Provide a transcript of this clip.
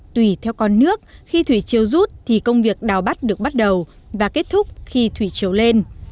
tùy theo con nước khi thủy chiều rút thì công việc đào bắt được bắt đầu và kết thúc khi thủy chiều lên